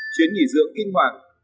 chuyến nghỉ dưỡng kinh hoàng